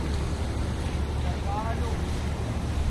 ڈکالُو